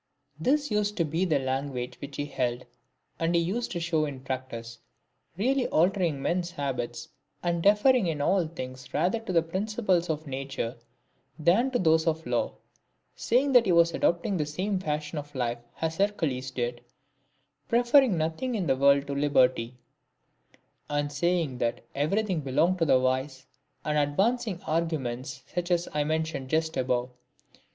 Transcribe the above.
This used to be the language which he held, and he used to show in practice, really altering men's habits, arid deferring in all things rather to the principles of nature than to those of law ; saying that he was adopting the same fashion of life as Hercules had, preferring nothing in the world to liberty ; and saying that everything belonged to the wise, and advancing arguments such as I mentioned just above.